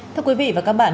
thưa quý vị và các bạn